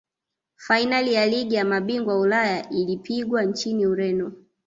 fainali ya ligi ya mabingwa ulaya ilipigwa nchini ureno